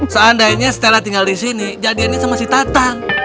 seandainya setelah tinggal di sini jadiannya sama si tatang